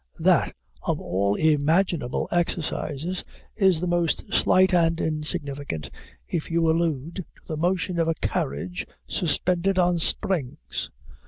That, of all imaginable exercises, is the most slight and insignificant, if you allude to the motion of a carriage suspended on springs.